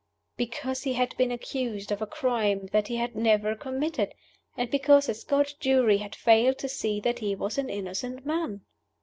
Because he had been accused of a crime that he had never committed, and because a Scotch jury had failed to see that he was an innocent man.